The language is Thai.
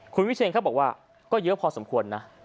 คุณวิเชนเขาบอกว่าก็เยอะพอสมควรนะ